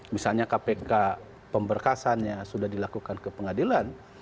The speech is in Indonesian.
misalnya kpk pemberkasannya sudah dilakukan ke pengadilan